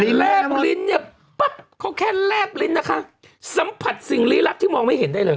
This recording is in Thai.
แลบลิ้นเนี่ยปั๊บเขาแค่แลบลิ้นนะคะสัมผัสสิ่งลี้ลับที่มองไม่เห็นได้เลย